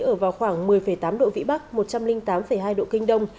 ở vào khoảng một mươi tám độ vĩ bắc một trăm linh tám hai độ kinh đông